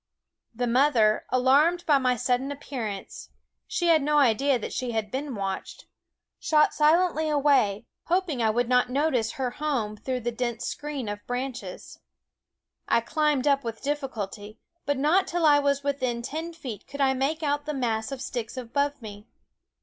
The mother, alarmed by my sudden appear ance, she had no idea that she had been watched, shot silently away, hoping I would 192 Quoskh Keen Eyed 9 SCHOOL OF not notice her home through the dense screen of branches. I climbed up with difficulty; but not till I was within ten feet could I make out the mass of sticks above me.